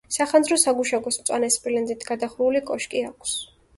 სახანძრო საგუშაგოს მწვანე სპილენძით გადახურული კოშკი აქვს.